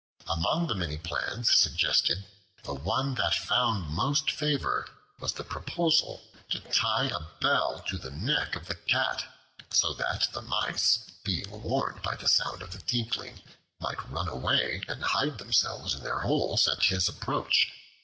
Among the many plans suggested, the one that found most favor was the proposal to tie a bell to the neck of the Cat, so that the Mice, being warned by the sound of the tinkling, might run away and hide themselves in their holes at his approach.